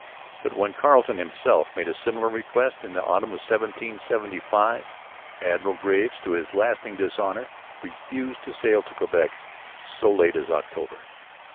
But when Carleton himself made a similar request, in the autumn of 1775, Admiral Graves, to his lasting dishonour, refused to sail up to Quebec so late as October.